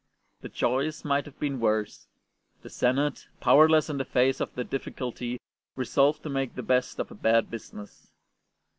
The choice might have been worse; the Senate, powerless in the face of the difficulty, resolved to make the best of a bad business.